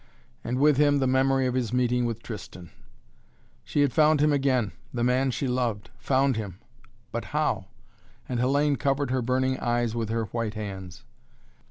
And with him the memory of his meeting with Tristan! She had found him again, the man she loved! Found him but how? And Hellayne covered her burning eyes with her white hands.